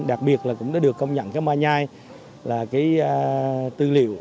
đặc biệt là cũng đã được công nhận cái ma nhai là cái tư liệu